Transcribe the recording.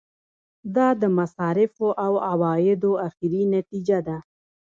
دا د مصارفو او عوایدو اخري نتیجه ده.